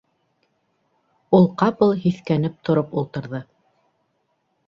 Ул ҡапыл һиҫкәнеп тороп ултырҙы.